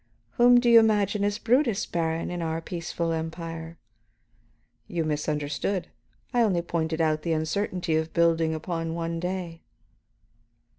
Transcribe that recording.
"Whom do you imagine as Brutus, Baron, in our peaceful Empire?" "You misunderstood; I only pointed out the uncertainty of building upon one day."